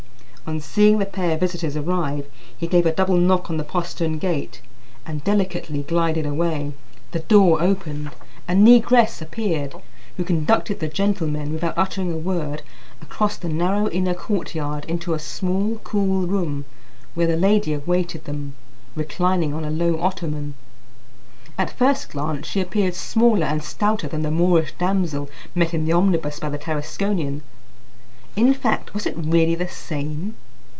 On seeing the pair of visitors arrive, he gave a double knock on the postern gate and delicately glided away. The door opened. A negress appeared, who conducted the gentlemen, without uttering a word, across the narrow inner courtyard into a small cool room, where the lady awaited them, reclining on a low ottoman. At first glance she appeared smaller and stouter than the Moorish damsel met in the omnibus by the Tarasconian. In fact, was it really the same?